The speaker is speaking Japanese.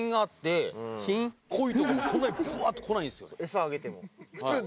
餌あげても。